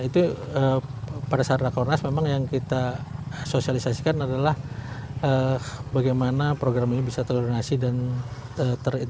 itu pada saat rakornas memang yang kita sosialisasikan adalah bagaimana program ini bisa terornasi dan terinteg